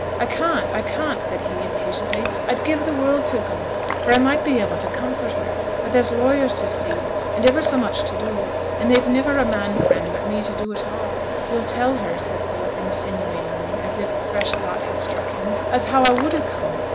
'I can't, I can't,' said he, impatiently. 'I'd give the world to go, for I might be able to comfort her; but there's lawyers to see, and iver so much to do, and they've niver a man friend but me to do it all. You'll tell her,' said Philip, insinuatingly, as if a fresh thought had struck him, 'as how I would ha' come.